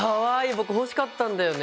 僕欲しかったんだよね。